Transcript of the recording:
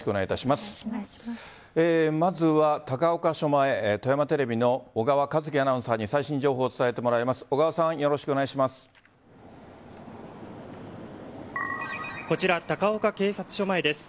まずは高岡署前富山テレビの尾川知輝アナウンサーに最新情報を伝えてもらいます。